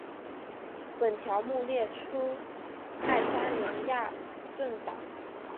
本条目列出爱沙尼亚政党。